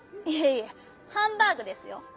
いえいえ「ハンバーグ」ですよ。